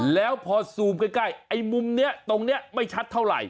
แล้วพอซูมใกล้ไอ้มุมนี้ตรงนี้ไม่ชัดเท่าไหร่